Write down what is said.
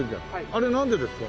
あれなんでですか？